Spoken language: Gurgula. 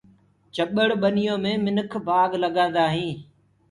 چٻڙ ڀنيو مي منک بآگ لگآندآ هينٚ۔